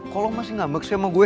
kalo lo masih ngambek sih sama gue